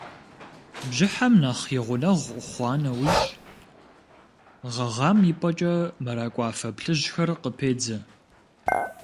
Бжьыхьэм нэхъ и гъунэгъу хъуа нэужь, гъэгъам и пӀэкӀэ мэракӀуафэ плъыжьхэр къыпедзэ.